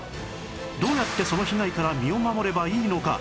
どうやってその被害から身を守ればいいのか？